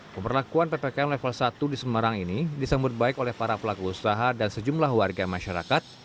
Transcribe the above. pemberlakuan ppkm level satu di semarang ini disambut baik oleh para pelaku usaha dan sejumlah warga masyarakat